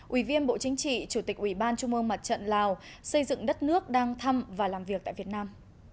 ủy viên bộ chính trị chủ tịch ủy ban trung ương mặt trận lào xây dựng đất nước đang thăm và làm việc tại việt nam